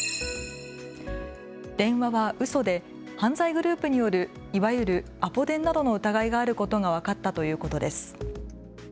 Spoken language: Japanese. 電話はうそで犯罪グループによるいわゆるアポ電などの疑いがあることが分かったということです。